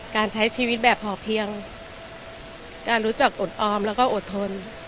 การใช้ชีวิตแบบพอเพียงการรู้จักอดออมแล้วก็อดทน